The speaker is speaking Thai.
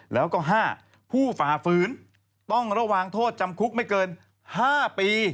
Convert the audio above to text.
แล้วก็๕ผู้ฝ่าฝืนต้องระวังโทษจำคุกไม่เกิน๕ปี